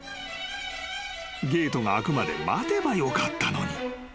［ゲートが開くまで待てばよかったのに］